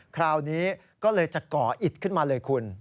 คราวนี้ก็เลยจะก่ออิดขึ้นมาเลยคุณ